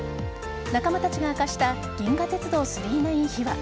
仲間たちが明かした「銀河鉄道９９９」秘話。